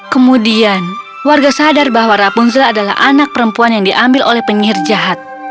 kemudian warga sadar bahwa rapunzel adalah anak perempuan yang diambil oleh penyihir jahat